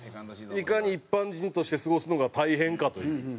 いかに一般人として過ごすのが大変かという。